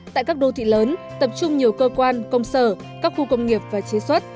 tại các đô thị lớn tập trung nhiều cơ quan công sở các khu công nghiệp và chế xuất